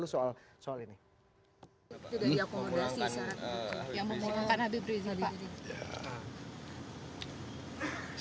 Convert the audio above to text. dia akomodasi saat yang memulakan habib rizik